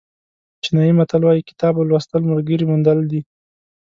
چینایي متل وایي کتاب لوستل ملګري موندل دي.